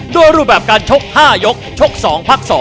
รูปแบบการชก๕ยกชก๒พัก๒